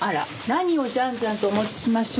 何をじゃんじゃんとお持ちしましょうか？